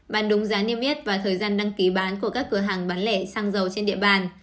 bán đúng giá niêm yết và thời gian đăng ký bán của các cửa hàng bán lẻ xăng dầu trên địa bàn